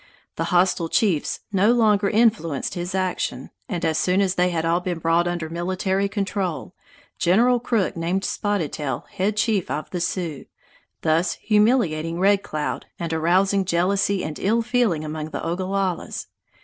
The hostile chiefs no longer influenced his action, and as soon as they had all been brought under military control, General Crook named Spotted Tail head chief of the Sioux, thus humiliating Red Cloud and arousing jealousy and ill feeling among the Ogallalas.